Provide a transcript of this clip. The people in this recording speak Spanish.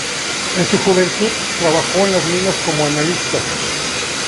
En su juventud trabajó en las minas como analista.